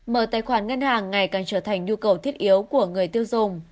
mở tài khoản ngân hàng ngày càng trở thành nhu cầu thiết yếu của người tiêu dùng